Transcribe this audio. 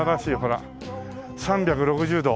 ３６０度。